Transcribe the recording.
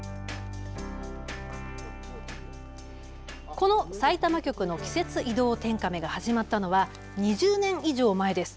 このさいたま局の季節移動天カメが始まったのは２０年以上前です。